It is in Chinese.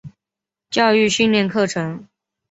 教育训练课程